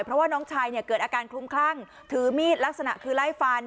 เพราะว่าน้องชายเนี่ยเกิดอาการคลุมคลั่งถือมีดลักษณะคือไล่ฟัน